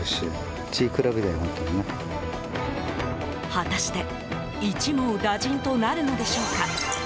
果たして一網打尽となるのでしょうか。